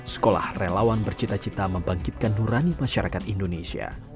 sekolah relawan bercita cita membangkitkan nurani masyarakat indonesia